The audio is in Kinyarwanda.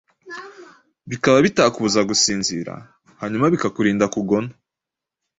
bikaba bitakubuza gusinzira hanyuma bikakurinda kugona.